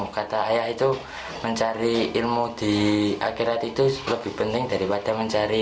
kata ayah itu mencari ilmu di akhirat itu lebih penting daripada mencari